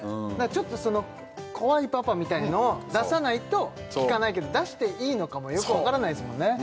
ちょっとその怖いパパみたいのを出さないと聞かないけど出していいのかもよくわからないですもんね